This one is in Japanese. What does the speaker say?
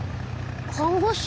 看護師？